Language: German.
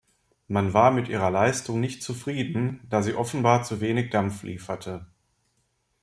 Man war mit ihrer Leistung nicht zufrieden, da sie offenbar zu wenig Dampf lieferte.